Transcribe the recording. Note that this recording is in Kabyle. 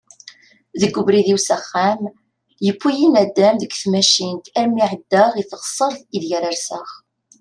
Deg ubrid-iw s axxam, yewwi-yi nadam deg tmacint armi εeddaɣ i teɣsert ideg ara rseɣ.